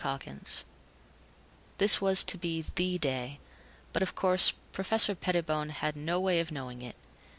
COGGINS This was to be the day, but of course Professor Pettibone had no way of knowing it.